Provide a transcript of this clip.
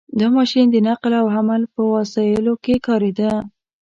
• دا ماشین د نقل او حمل په وسایلو کې هم کارېده.